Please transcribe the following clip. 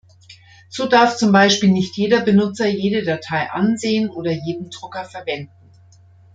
So darf zum Beispiel nicht jeder Benutzer jede Datei ansehen oder jeden Drucker verwenden.